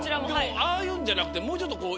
ああいうんじゃなくてもうちょっと。